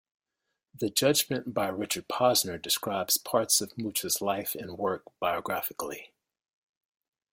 The judgment by Richard Posner describes parts of Mucha's life and work biographically.